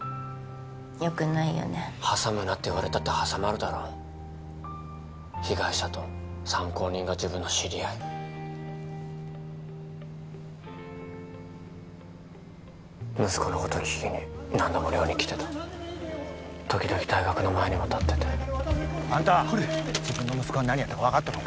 よくないよね挟むなって言われたって挟まるだろ被害者と参考人が自分の知り合い息子のこと聞きに何度も寮に来てた時々大学の前にも立っててあんた自分の息子が何やったか分かっとるんか？